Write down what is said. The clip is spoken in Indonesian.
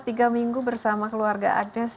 tiga minggu bersama keluarga agnes